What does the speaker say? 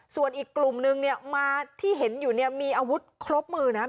ส่วนอีกกลุ่มนึงเนี่ยมาที่เห็นอยู่เนี่ยมีอาวุธครบมือนะครับ